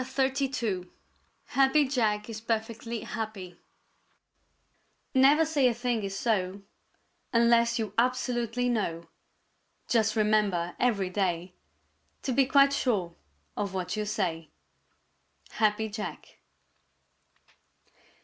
CHAPTER XXXII HAPPY JACK IS PERFECTLY HAPPY Never say a thing is so Unless you absolutely know. Just remember every day To be quite sure of what you say. _Happy Jack.